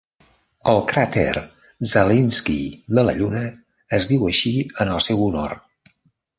El cràter Zelinskiy de la Lluna es diu així en el seu honor.